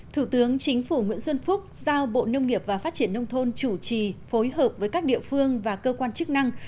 thủ tướng chính phủ nguyễn xuân phúc giao bộ nông nghiệp và phát triển nông thôn chủ trì phối hợp với các địa phương và cơ quan chức năng